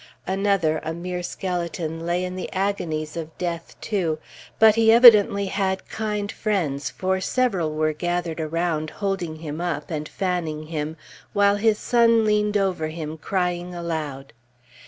Another, a mere skeleton, lay in the agonies of death, too; but he evidently had kind friends, for several were gathered around holding him up, and fanning him, while his son leaned over him crying aloud.